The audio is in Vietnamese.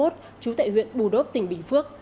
trú tại huyện bù đốp tỉnh bình phước